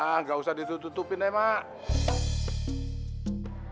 ah nggak usah ditutupin ya mak